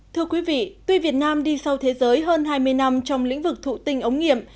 thưa quý vị tuy việt nam đi sau thế giới hơn hai mươi năm trong lĩnh vực thụ tinh ống nghiệm